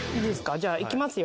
じゃあ行きますよ。